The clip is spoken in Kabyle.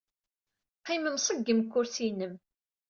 Qqim mṣeggem deg ukersi-nnem.